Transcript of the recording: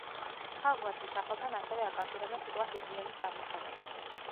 ქალღმერთის სახელთან ასევე აკავშირებენ სიტყვა „ჰიგიენის“ წარმოშობას.